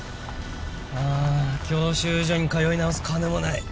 ああ教習所に通い直す金もない。